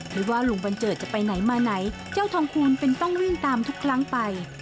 ไม่ว่าลุงบันเจิดจะไปไหนมาไหนเจ้าทองคูณเป็นต้องวิ่งตามทุกครั้งไป